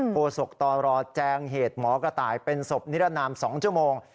โศกตรแจงเหตุหมอกระต่ายเป็นศพนิรนาม๒ชั่วโมง